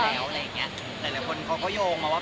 หลายคนเขาก็โยงมาว่า